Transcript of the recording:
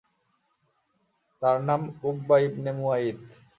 তার নাম Uqba ibn মুয়াইত।